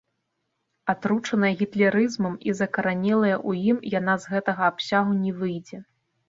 Атручаная гітлерызмам і закаранелая ў ім, яна з гэтага абсягу не выйдзе.